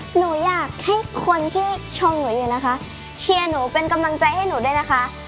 หนูอยากให้คนที่ชมหนูอยู่นะคะเชียร์หนูเป็นกำลังใจให้หนูด้วยนะคะ